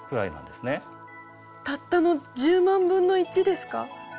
たったの１０万分の１ですか。